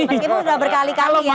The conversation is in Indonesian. maksimal ini udah berkali kali ya